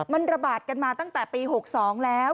มันระบาดกันมาตั้งแต่ปี๖๒แล้ว